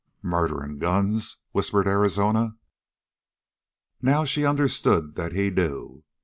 "Murdering guns!" whispered Arizona. Now she understood that he knew.